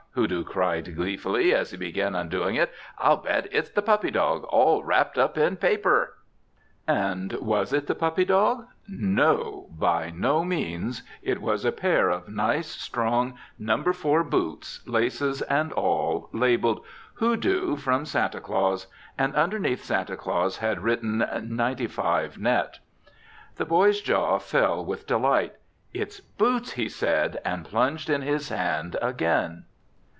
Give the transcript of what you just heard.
Hoodoo cried gleefully, as he began undoing it. "I'll bet it's the puppy dog, all wrapped up in paper!" And was it the puppy dog? No, by no means. It was a pair of nice, strong, number four boots, laces and all, labelled, "Hoodoo, from Santa Claus," and underneath Santa Claus had written, "95 net." The boy's jaw fell with delight. "It's boots," he said, and plunged in his hand again.